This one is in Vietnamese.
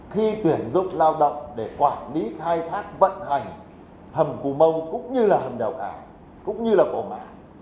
khi tuyển dụng lao động để quản lý khai thác vận hành hầm cù mông cũng như là hầm đèo cả cũng như là cổ mảng